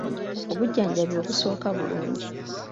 Obujjanjabi obusooka bulungi.